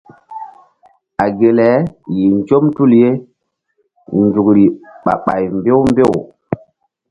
A ge le yih nzɔm tul ye nzukri ɓah ɓay mbew mbew.